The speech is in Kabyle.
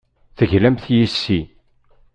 Teglamt yes-i.